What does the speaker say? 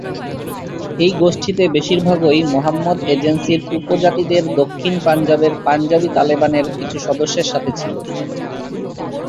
এই গোষ্ঠীতে বেশিরভাগই মোহাম্মাদ এজেন্সির উপজাতিদের দক্ষিণ পাঞ্জাবের পাঞ্জাবি তালেবানের কিছু সদস্যের সাথে ছিল।